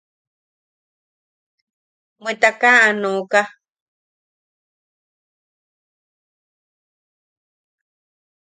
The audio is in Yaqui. Bweta kaa aa nooka.